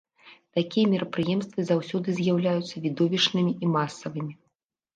Такія мерапрыемствы заўсёды з'яўляюцца відовішчнымі і масавымі.